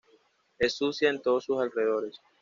Es sucia en todos sus alrededores.